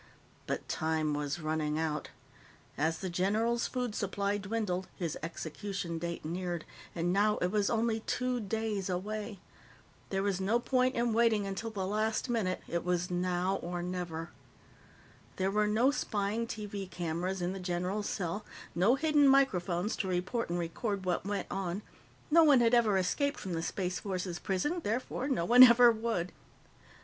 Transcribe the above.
But time was running out. As the general's food supply dwindled, his execution date neared, and now it was only two days away. There was no point in waiting until the last minute; it was now or never. There were no spying TV cameras in the general's cell, no hidden microphones to report and record what went on. No one had ever escaped from the Space Force's prison, therefore, no one ever would.